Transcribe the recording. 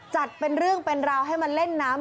จัดเป็นเรื่องเป็นราวให้มาเล่นน้ำ